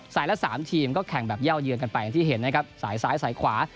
ละสามทีมก็แข่งแบบเย่าเยือนกันไปอย่างที่เห็นนะครับสายซ้ายสายขวา